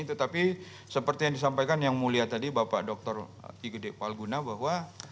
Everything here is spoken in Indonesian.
tetapi seperti yang disampaikan yang mulia tadi bapak dr igo dek walguna bahwa